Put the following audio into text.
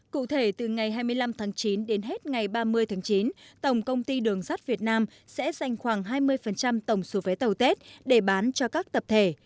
cụ thể từ ngày hai mươi năm tháng chín đến hết ngày ba mươi tháng chín tổng công ty đường sắt việt nam sẽ dành khoảng hai mươi tổng số vé tàu tết để bán cho các tập thể